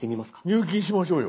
入金しましょうよ。